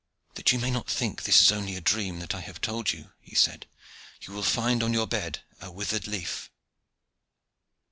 "That you may not think this is only a dream that I have told you," he said, "you will find on your bed a withered leaf."